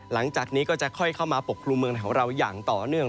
หลังจากนี้ก็จะค่อยเข้ามาปกครุมเมืองไทยของเราอย่างต่อเนื่อง